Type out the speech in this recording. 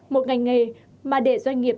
một ngành nghề mà để doanh nghiệp